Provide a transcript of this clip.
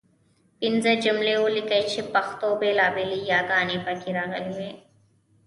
پنځه جملې ولیکئ چې پښتو بېلابېلې یګانې پکې راغلي وي.